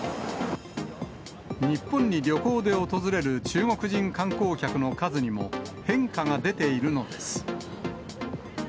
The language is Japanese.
日本に旅行で訪れる中国人観光客の数にも、変化が出ているのです。